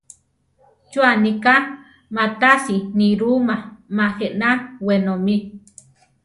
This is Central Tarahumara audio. ¿Chú aniká má tasi nirúma ma jéna wenómi?